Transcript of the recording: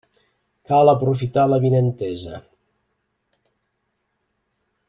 Cal aprofitar l'avinentesa.